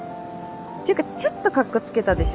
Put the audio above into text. ていうかちょっとカッコつけたでしょ。